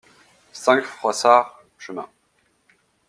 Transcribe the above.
cinq Froissard, ch.